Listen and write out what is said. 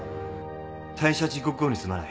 退社時刻後にすまない。